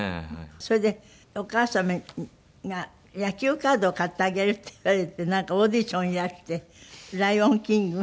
それでお母様が野球カードを買ってあげるって言われてなんかオーディションにいらして『ライオンキング』？